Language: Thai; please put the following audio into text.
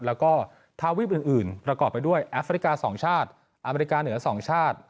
แล้วก็ทาวีปอื่นประกอบไปด้วยแอฟริกา๒ชาติอเมริกาเหนือ๒ชาติ